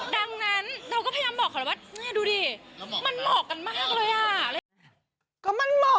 ดังนั้นเราก็พยายามบอกเขานะว่านี่ดูนี่มันเหมาะกันมากเลยอ่ะ